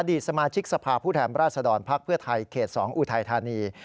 สมาชิกสภาพผู้แทนราชดรภักดิ์เพื่อไทยเขต๒อุทัยธานี